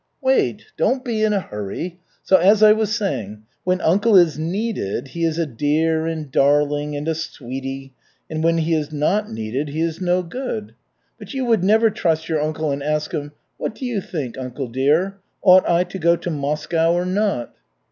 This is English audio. "Wait, don't be in a hurry! So, as I was saying, when uncle is needed, he is a dear and darling and a sweety, and when he is not needed he is no good. But you would never trust your uncle and ask him, 'What do you think, uncle dear, ought I to go to Moscow or not?'"